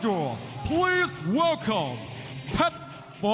สำหรับวิน๒๒ลูซิสและฟอร์โดรขอบคุณครับ